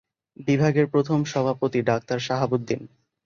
বিভাগের প্রথম সভাপতি ডাক্তার শাহাবুদ্দিন।